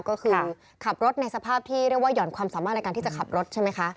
ก็คือขับรถในสภาพที่เรียกว่าห่อนความสามารถในการที่จะขับรถใช่ไหมคะ